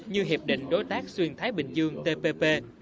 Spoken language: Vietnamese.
như hiệp định đối tác xuyên thái bình dương tpp